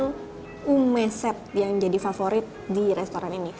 ini adalah menu mesep yang menjadi favorit di restoran ini